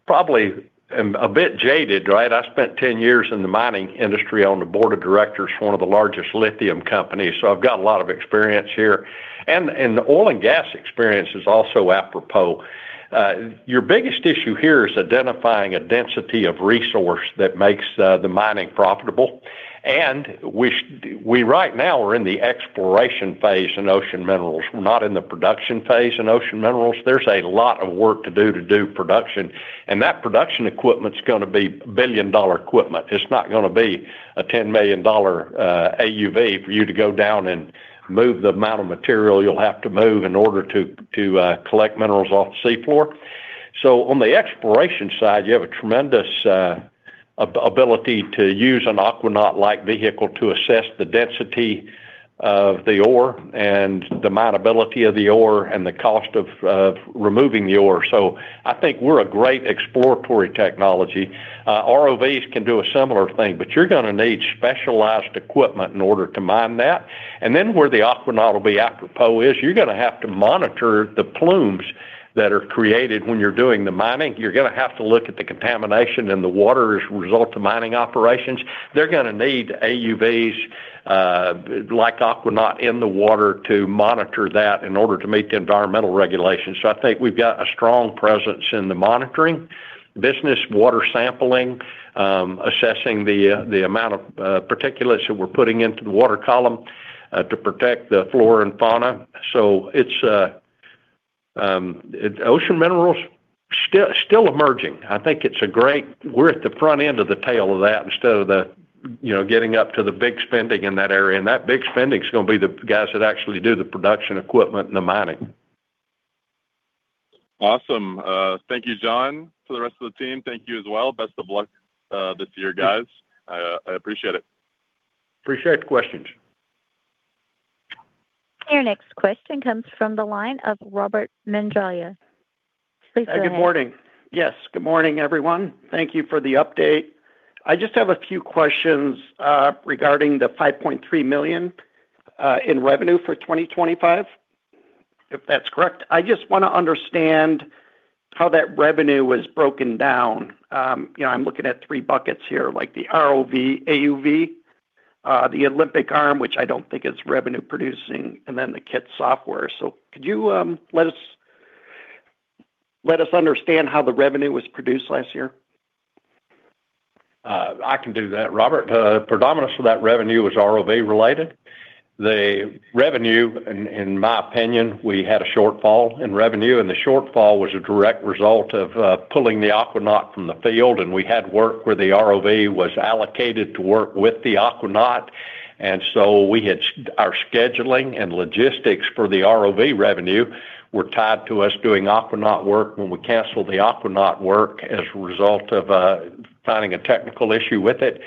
probably am a bit jaded, right? I spent 10 years in the mining industry on the board of directors for one of the largest lithium companies. I've got a lot of experience here. The oil and gas experience is also apropos. Your biggest issue here is identifying a density of resource that makes the mining profitable. We right now are in the exploration phase in ocean minerals. We're not in the production phase in ocean minerals. There's a lot of work to do, to do production, and that production equipment's going to be billion-dollar equipment. It's not going to be a $10 million AUV for you to go down and move the amount of material you'll have to move in order to collect minerals off the sea floor. On the exploration side, you have a tremendous ability to use an Aquanaut-like vehicle to assess the density of the ore and the mine-ability of the ore and the cost of removing the ore. I think we're a great exploratory technology. ROVs can do a similar thing, but you're going to need specialized equipment in order to mine that. Where the Aquanaut will be apropos is you're going to have to monitor the plumes that are created when you're doing the mining. You're going to have to look at the contamination in the water as a result of mining operations. They're going to need AUVs like Aquanaut in the water to monitor that in order to meet the environmental regulations. I think we've got a strong presence in the monitoring business, water sampling, assessing the amount of particulates that we're putting into the water column to protect the flora and fauna. Ocean Minerals, still emerging. I think we're at the front end of the tail of that instead of getting up to the big spending in that area. That big spending is going to be the guys that actually do the production equipment and the mining. Awesome. Thank you, John. To the rest of the team, thank you as well. Best of luck this year, guys. I appreciate it. Appreciate the questions. Your next question comes from the line of Robert Mendiola. Please go ahead. Good morning. Yes, good morning, everyone. Thank you for the update. I just have a few questions regarding the $5.3 million in revenue for 2025, if that's correct. I just want to understand how that revenue was broken down. I'm looking at three buckets here, like the ROV AUV, the Olympic Arm, which I don't think is revenue producing, and then the KITT software. Could you let us understand how the revenue was produced last year? I can do that, Robert. Predominance of that revenue was ROV related. The revenue, in my opinion, we had a shortfall in revenue, and the shortfall was a direct result of pulling the Aquanaut from the field. We had work where the ROV was allocated to work with the Aquanaut, and so our scheduling and logistics for the ROV revenue were tied to us doing Aquanaut work. When we canceled the Aquanaut work as a result of finding a technical issue with it,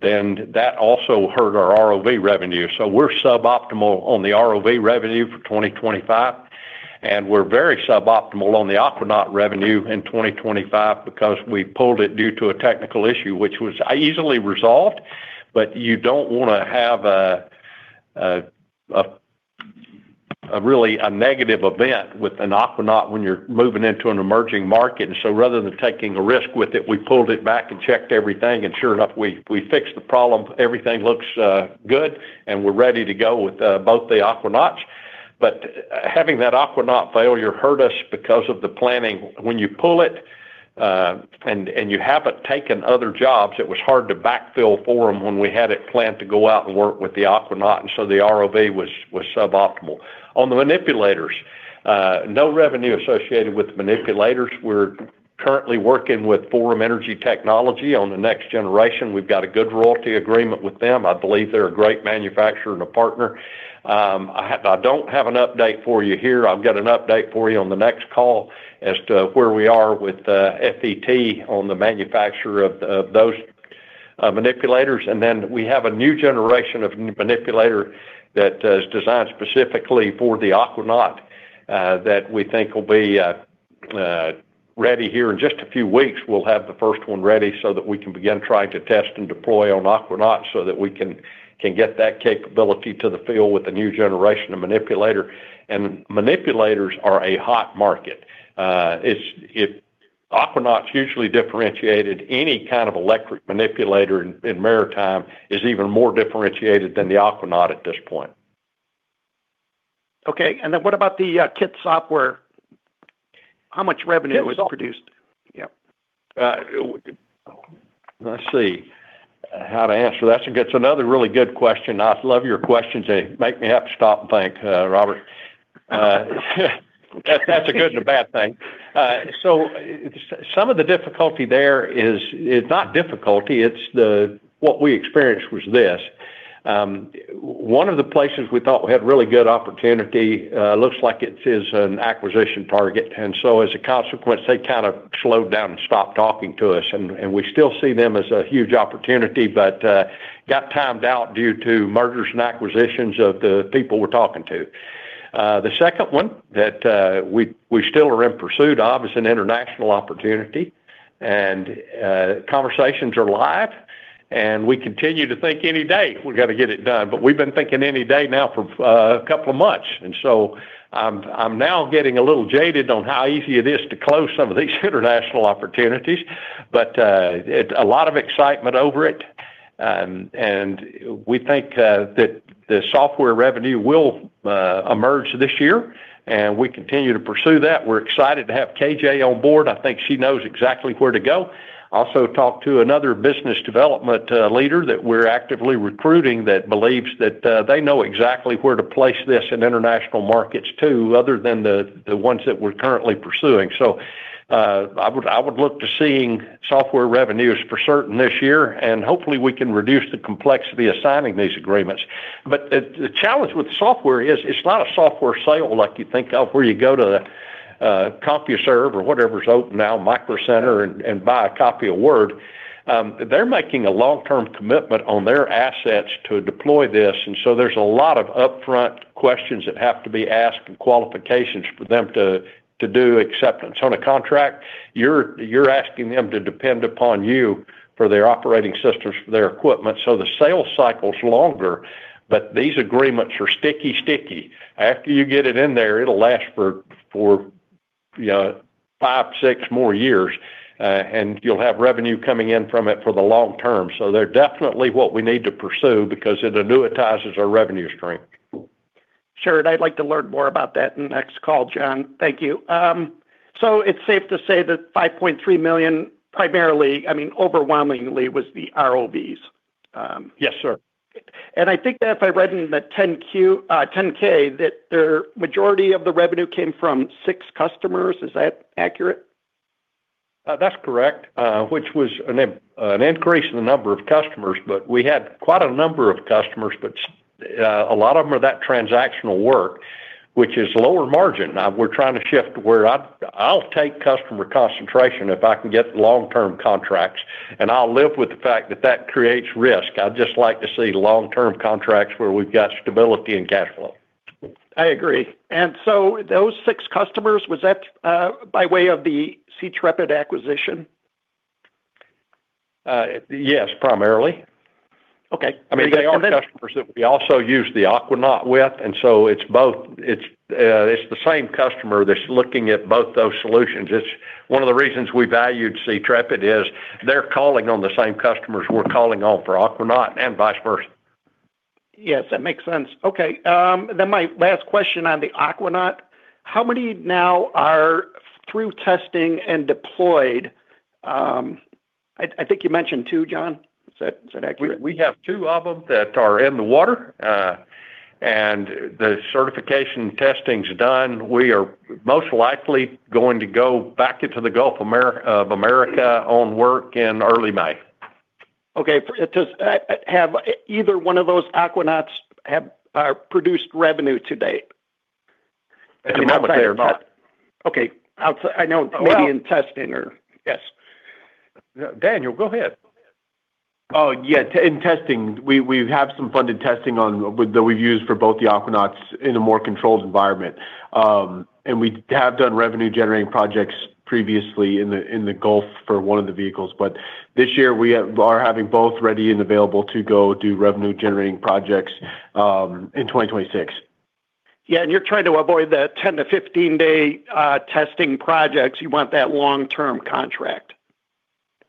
then that also hurt our ROV revenue. We're suboptimal on the ROV revenue for 2025, and we're very suboptimal on the Aquanaut revenue in 2025 because we pulled it due to a technical issue, which was easily resolved. You don't want to have really a negative event with an Aquanaut when you're moving into an emerging market. Rather than taking a risk with it, we pulled it back and checked everything, and sure enough, we fixed the problem. Everything looks good, and we're ready to go with both the Aquanauts. Having that Aquanaut failure hurt us because of the planning. When you pull it and you haven't taken other jobs, it was hard to backfill for them when we had it planned to go out and work with the Aquanaut, and so the ROV was suboptimal. On the manipulators. No revenue associated with the manipulators. We're currently working with Forum Energy Technologies on the next generation. We've got a good royalty agreement with them. I believe they're a great manufacturer and a partner. I don't have an update for you here. I've got an update for you on the next call as to where we are with FET on the manufacture of those manipulators. We have a new generation of manipulator that is designed specifically for the Aquanaut that we think will be ready here in just a few weeks. We'll have the first one ready so that we can begin trying to test and deploy on Aquanaut so that we can get that capability to the field with the new generation of manipulator. Manipulators are a hot market. If Aquanaut's hugely differentiated, any kind of electric manipulator in maritime is even more differentiated than the Aquanaut at this point. Okay, what about the KITT software? How much revenue was produced? Let's see. How to answer that. That's another really good question. I love your questions. They make me have to stop and think, Robert. That's a good and a bad thing. Some of the difficulty there is. It's not difficulty. What we experienced was this. One of the places we thought we had really good opportunity looks like it is an acquisition target. So as a consequence, they kind of slowed down and stopped talking to us. We still see them as a huge opportunity, but got timed out due to mergers and acquisitions of the people we're talking to. The second one that we still are in pursuit of is an international opportunity, and conversations are live, and we continue to think any day we're going to get it done. We've been thinking any day now for a couple of months. I'm now getting a little jaded on how easy it is to close some of these international opportunities. A lot of excitement over it. We think that the software revenue will emerge this year, and we continue to pursue that. We're excited to have KJ on board. I think she knows exactly where to go. Also talked to another business development leader that we're actively recruiting that believes that they know exactly where to place this in international markets too, other than the ones that we're currently pursuing. I would look to seeing software revenues for certain this year, and hopefully we can reduce the complexity of signing these agreements. The challenge with software is it's not a software sale like you think of where you go to CompuServe or whatever's open now, Micro Center, and buy a copy of Word. They're making a long-term commitment on their assets to deploy this, and so there's a lot of upfront questions that have to be asked and qualifications for them to do acceptance. On a contract, you're asking them to depend upon you for their operating systems for their equipment. The sales cycle's longer, but these agreements are sticky. After you get it in there, it'll last for, yeah, 5, 6 more years, and you'll have revenue coming in from it for the long term. They're definitely what we need to pursue because it annuitizes our revenue stream. Sure. I'd like to learn more about that in the next call, John. Thank you. It's safe to say that $5.3 million primarily, overwhelmingly was the ROVs. Yes, sir. I think that if I read in that 10-Q, 10-K, that the majority of the revenue came from six customers. Is that accurate? That's correct. Which was an increase in the number of customers, but we had quite a number of customers, but a lot of them are that transactional work, which is lower margin. We're trying to shift to where I'll take customer concentration if I can get long-term contracts, and I'll live with the fact that that creates risk. I'd just like to see long-term contracts where we've got stability and cash flow. I agree. Those six customers, was that by way of the SeaTrepid acquisition? Yes, primarily. Okay. They are customers that we also use the Aquanaut with, and so it's both. It's the same customer that's looking at both those solutions. It's one of the reasons we valued SeaTrepid, is they're calling on the same customers we're calling on for Aquanaut and vice versa. Yes, that makes sense. Okay. My last question on the Aquanaut. How many now are through testing and deployed? I think you mentioned two, John. Is that accurate? We have two of them that are in the water. The certification testing's done. We are most likely going to go back into the Gulf of Mexico to work in early May. Okay. Have either one of those Aquanauts have produced revenue to date? At the moment, they have not. Okay. Yes. Daniel, go ahead. Oh, yeah. In testing, we have some funded testing that we've used for both the Aquanauts in a more controlled environment. We have done revenue-generating projects previously in the Gulf for one of the vehicles. This year, we are having both ready and available to go do revenue-generating projects in 2026. Yeah, you're trying to avoid the 10- to 15-day testing projects. You want that long-term contract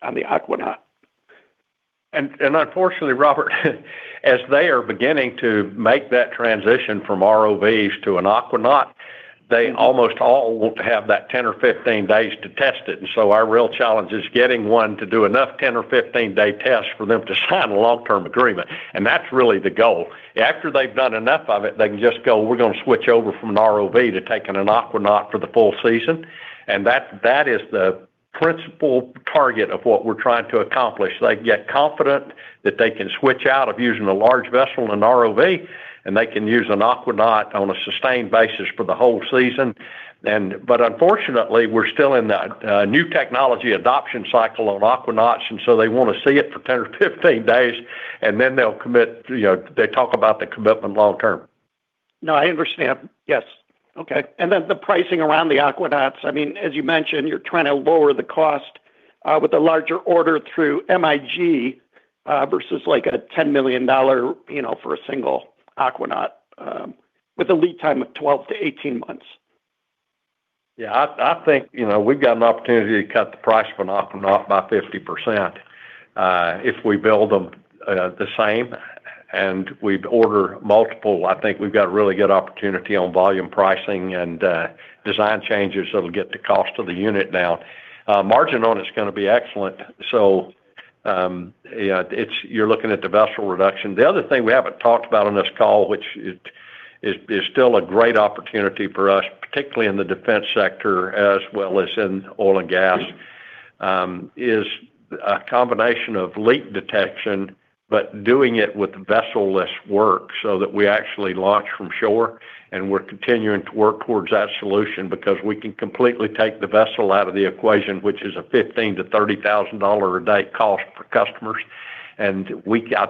on the Aquanaut. Unfortunately, Robert, as they are beginning to make that transition from ROVs to an Aquanaut, they almost all want to have that 10 or 15 days to test it. Our real challenge is getting one to do enough 10 or 15-day tests for them to sign a long-term agreement. That's really the goal. After they've done enough of it, they can just go, "We're going to switch over from an ROV to taking an Aquanaut for the full season." That is the principal target of what we're trying to accomplish. They get confident that they can switch out of using a large vessel and an ROV, and they can use an Aquanaut on a sustained basis for the whole season. Unfortunately, we're still in that new technology adoption cycle on Aquanauts, and so they want to see it for 10 or 15 days, and then they'll commit. They talk about the commitment long-term. No, I understand. Yes. Okay. The pricing around the Aquanauts, as you mentioned, you're trying to lower the cost with a larger order through MIG versus a $10 million for a single Aquanaut with a lead time of 12-18 months. Yeah. I think we've got an opportunity to cut the price of an Aquanaut by 50%. If we build them the same and we order multiple, I think we've got a really good opportunity on volume pricing and design changes that'll get the cost of the unit down. Margin on it is going to be excellent. You're looking at the vessel reduction. The other thing we haven't talked about on this call, which is still a great opportunity for us, particularly in the defense sector as well as in oil and gas, is a combination of leak detection, but doing it with vessel-less work so that we actually launch from shore, and we're continuing to work towards that solution because we can completely take the vessel out of the equation, which is a $15,000-$30,000 a day cost for customers. I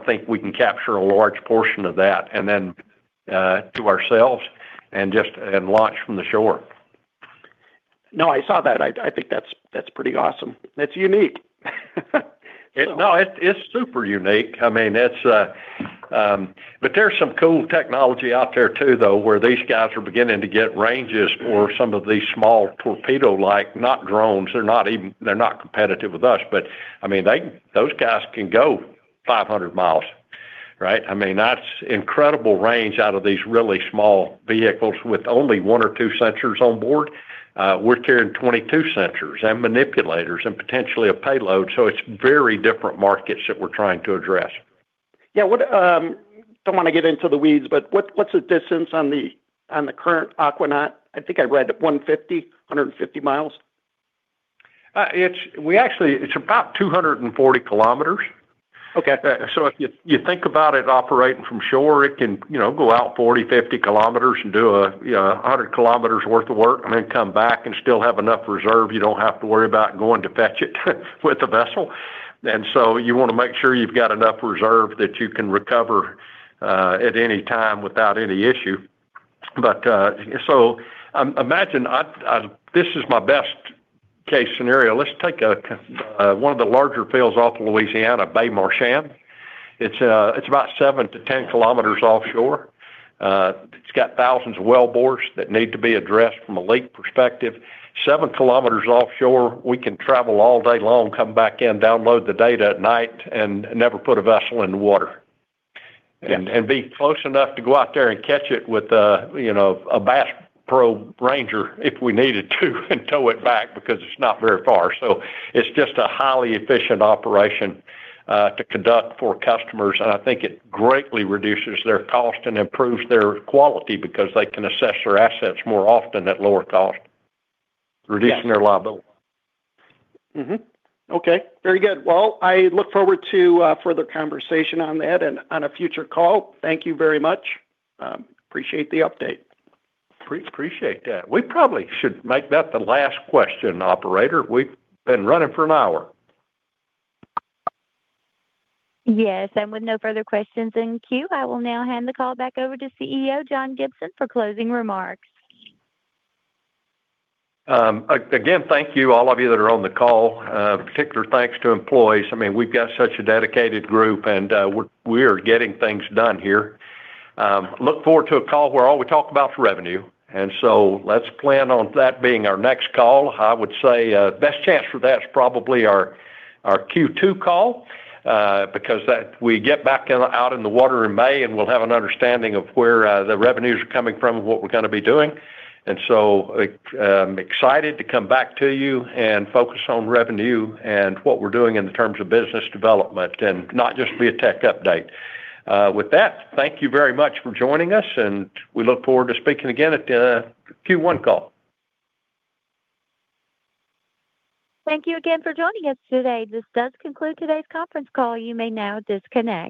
think we can capture a large portion of that and then do ourselves and just launch from the shore. No, I saw that. I think that's pretty awesome. That's unique. No, it's super unique. There's some cool technology out there too, though, where these guys are beginning to get ranges for some of these small torpedo-like, not drones. They're not competitive with us, but those guys can go 500 miles. That's incredible range out of these really small vehicles with only one or two sensors on board. We're carrying 22 sensors and manipulators and potentially a payload. It's very different markets that we're trying to address. Yeah. I don't want to get into the weeds, but what's the distance on the current Aquanaut? I think I read 150 mi. It's about 240 km. Okay. If you think about it operating from shore, it can go out 40-50 km and do 100 km worth of work and then come back and still have enough reserve. You don't have to worry about going to fetch it with a vessel. You want to make sure you've got enough reserve that you can recover at any time without any issue. Imagine, this is my best-case scenario. Let's take one of the larger fields off of Louisiana, Bay Marchand. It's about 7-10 km offshore. It's got thousands of wellbores that need to be addressed from a leak perspective. 7 km offshore, we can travel all day long, come back in, download the data at night, and never put a vessel in the water. Be close enough to go out there and catch it with a Bass Pro Ranger if we needed to and tow it back because it's not very far. It's just a highly efficient operation to conduct for customers, and I think it greatly reduces their cost and improves their quality because they can assess their assets more often at lower cost, reducing their liability. Okay. Very good. Well, I look forward to further conversation on that and on a future call. Thank you very much. Appreciate the update. Appreciate that. We probably should make that the last question, operator. We've been running for an hour. Yes. With no further questions in queue, I will now hand the call back over to CEO John Gibson for closing remarks. Again, thank you all of you that are on the call. Particular thanks to employees. We've got such a dedicated group, and we are getting things done here. I look forward to a call where all we talk about is revenue. Let's plan on that being our next call. I would say best chance for that is probably our Q2 call because we get back out in the water in May, and we'll have an understanding of where the revenues are coming from and what we're going to be doing. I'm excited to come back to you and focus on revenue and what we're doing in terms of business development and not just be a tech update. With that, thank you very much for joining us, and we look forward to speaking again at the Q1 call. Thank you again for joining us today. This does conclude today's conference call. You may now disconnect.